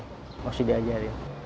masih masih diajarin